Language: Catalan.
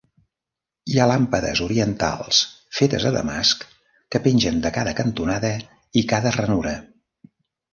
Hi ha làmpades orientals fetes a Damasc que pengen de cada cantonada i cada ranura.